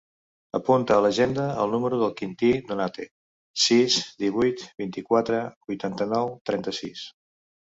Apunta a l'agenda el número del Quintí Donate: sis, divuit, vint-i-quatre, vuitanta-nou, trenta-sis.